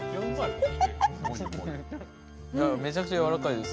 めちゃくちゃ柔らかいです。